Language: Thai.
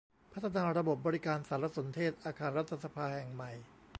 พัฒนาระบบบริการสารสนเทศอาคารรัฐสภาแห่งใหม่